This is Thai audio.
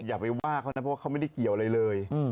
อย่าไปว่าเขานะเพราะว่าเขาไม่ได้เกี่ยวอะไรเลย